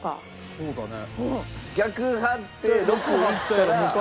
そうだね。